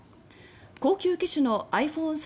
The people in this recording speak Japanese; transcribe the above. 高級機種のｉＰｈｏｎｅ１３